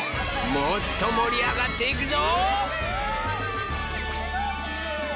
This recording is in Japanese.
もっともりあがっていくぞ！